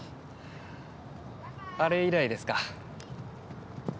あれ以来ですか？